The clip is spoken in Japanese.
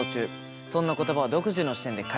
そんな言葉を独自の視点で解説。